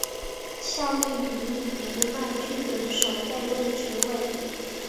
效力于读卖巨人守备位置为。